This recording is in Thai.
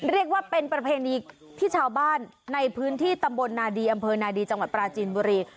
เรียกว่าเป็นประเพณีที่ชาวบ้านในพื้นที่ตำบลนาดีอำเภอนาดีจังหวัดปราจีนบุรี